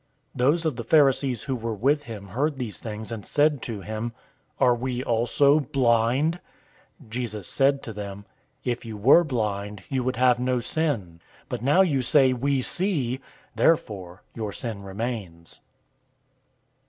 009:040 Those of the Pharisees who were with him heard these things, and said to him, "Are we also blind?" 009:041 Jesus said to them, "If you were blind, you would have no sin; but now you say, 'We see.' Therefore your sin remains.